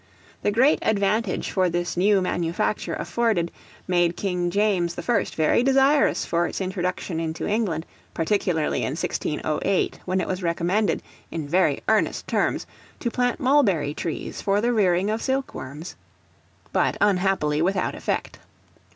The great advantage this new manufacture afforded, made King James the First very desirous for its introduction into England, particularly in 1608, when it was recommended, in very earnest terms, to plant mulberry trees for the rearing of silk worms; but unhappily without effect.